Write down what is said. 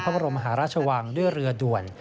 พระบรมหาราชวังด้วยเรือด่วน